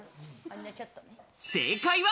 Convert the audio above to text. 正解は。